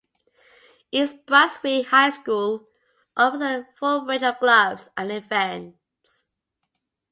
East Brunswick High School offers a full range of clubs and events.